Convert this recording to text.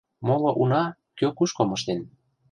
Моло уна — кӧ кушко моштен.